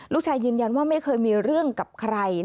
ยืนยันว่าไม่เคยมีเรื่องกับใคร